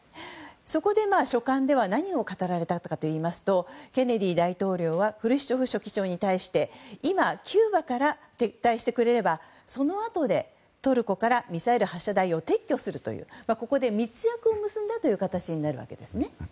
そこで、書簡では何を語られたかといいますとケネディ大統領はフルシチョフ書記長に対して今、キューバから撤退してくれれば、そのあとでトルコからミサイル発射台を撤去するという密約を結んだという形になるわけです。